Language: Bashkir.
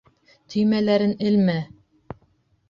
Төймәләрен элмә!